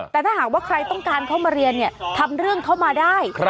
แต่ถ้าหากว่าใครต้องการเข้ามาเรียนทำเรื่องเข้ามาได้